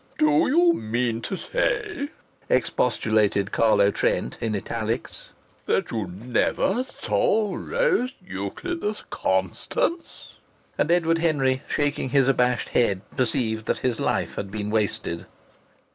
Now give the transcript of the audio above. "Do you mean to say," expostulated Carlo Trent in italics, "that you never saw Rose Euclid as Constance?" And Edward Henry, shaking his abashed head, perceived that his life had been wasted.